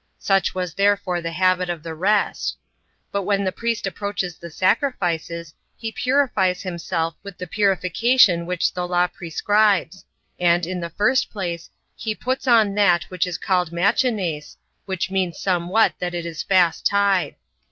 Such was therefore the habit of the rest. But when the priest approaches the sacrifices, he purifies himself with the purification which the law prescribes; and, in the first place, he puts on that which is called Machanase, which means somewhat that is fast tied.